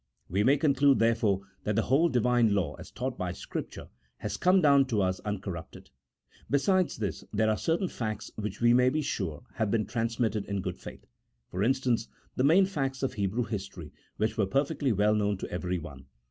We may conclude, therefore, that the whole Divine law, as taught by Scripture, has come down to us uncorrupted. Besides this there are certain facts which we may be sure have been transmitted in good faith. For instance, the main facts of Hebrew history, which were perfectly well known to everyone.